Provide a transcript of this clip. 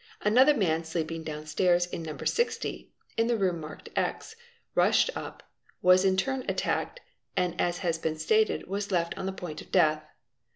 Another man sleeping down stairs in No. 60 (in the room marked X) rushed up, was in turn attacked, ¢ n as has been stated was left on the point of death.